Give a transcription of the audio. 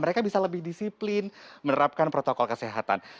mereka bisa lebih disiplin menerapkan protokol kesehatan